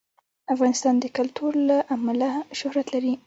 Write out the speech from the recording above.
افغانستان د کلتور له امله شهرت لري.